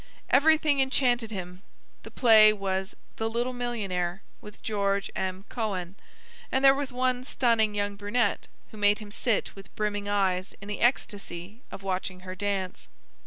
Everything enchanted him. The play was "The Little Millionaire," with George M. Cohan, and there was one stunning young brunette who made him sit with brimming eyes in the ecstasy of watching her dance.